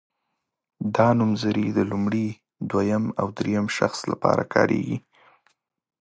دا نومځري د لومړي دویم او دریم شخص لپاره کاریږي.